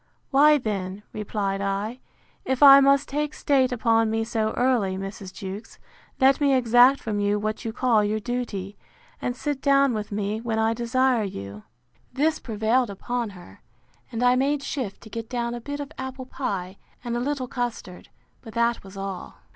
—Why then, replied I, if I must take state upon me so early, Mrs. Jewkes, let me exact from you what you call your duty; and sit down with me when I desire you. This prevailed upon her; and I made shift to get down a bit of apple pye, and a little custard; but that was all.